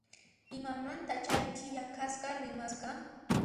Imamantan chay qillqasqa rimasqa?